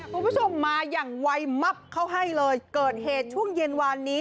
คุณผู้ชมมาอย่างไวมับเข้าให้เลยเกิดเหตุช่วงเย็นวานนี้